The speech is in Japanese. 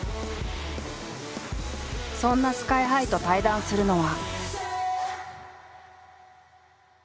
そんなＳＫＹ−ＨＩと対談するのは。